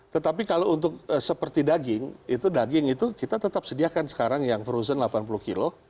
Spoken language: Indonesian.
tetapi kalau untuk seperti daging itu daging itu kita tetap sediakan sekarang yang frozen delapan puluh kilo